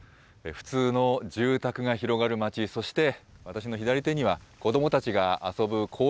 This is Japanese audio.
普通の住宅が広がる街、そして私の左手には、子どもたちが遊ぶ公